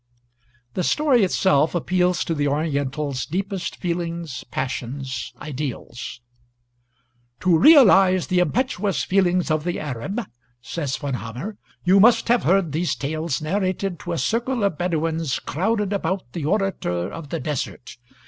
The story itself appeals to the Oriental's deepest feelings, passions, ideals: "To realize the impetuous feelings of the Arab," says Von Hammer, "you must have heard these tales narrated to a circle of Bedouins crowded about the orator of the desert....